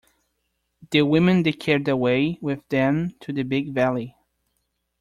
The women they carried away with them to the Big Valley.